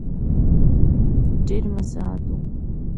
ډېر مساعد وو.